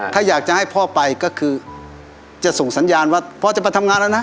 ถ้าอยากจะให้พ่อไปก็คือจะส่งสัญญาณว่าพ่อจะไปทำงานแล้วนะ